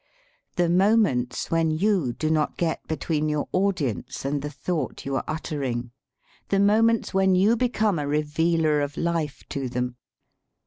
"The mo ments when you do not get between your audience and the thought you are uttering the moments when you become a revealer of life to them.